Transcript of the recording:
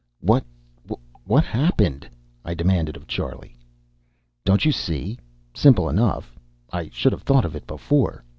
"What what happened?" I demanded of Charlie. "Don't you see? Simple enough. I should have thought of it before.